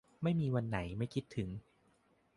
ไม่มีวันไหนไม่คิดถึง